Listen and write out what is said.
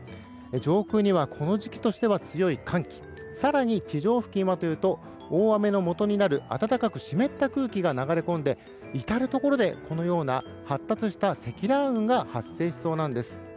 上空にはこの時期としては強い寒気更に地上付近はというと大雨のもとになる暖かく湿った空気が流れ込んで至るところで発達した積乱雲が出てきそうなんです。